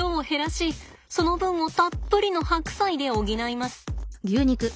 その分をたっぷりの白菜で補います。